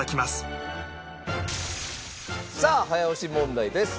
さあ早押し問題です。